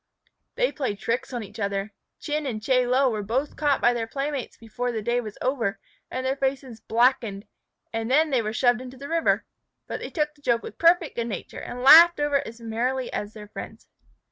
They played tricks on each other. Chin and Chie Lo were both caught by their playmates before the day was over and their faces blackened, and then they were shoved into the river. But they took the joke with perfect good nature, and laughed over it as merrily as their friends.